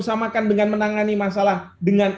samakan dengan menangani masalah dengan